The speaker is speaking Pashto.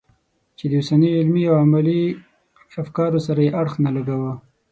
چې د اوسني علمي او عملي افکارو سره یې اړخ نه لګاوه.